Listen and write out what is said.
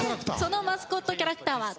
マスコットキャラクター？